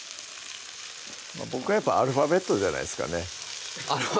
僕はやっぱアルファベットじゃないですかねあっ